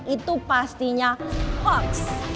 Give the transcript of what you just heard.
itu pastinya hoax